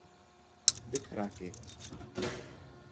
¿De cara a que?